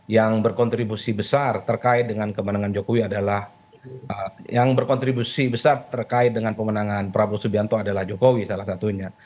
yang berkontribusi besar terkait dengan kemenangan jokowi adalah yang berkontribusi besar terkait dengan pemenangan prabowo subianto adalah jokowi salah satunya